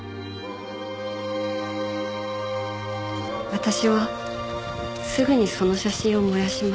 私はすぐにその写真を燃やしました。